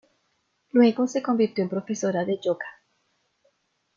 Luego se convirtió en profesora de Yoga.